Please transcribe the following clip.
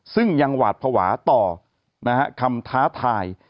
ซึ่งยังหวาดภาวะต่อคำท้าทาย